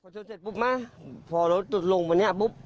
พอเจอเจ็บปุ๊บมาพอรถจดลงมาเนี่ยปุ๊บ